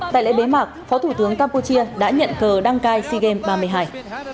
tại lễ bế mạc phó thủ tướng campuchia đã nhận cờ đăng cai sea games ba mươi hai